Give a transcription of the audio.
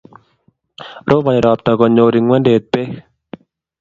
Robani ropta, konyoor ing'wendet beek.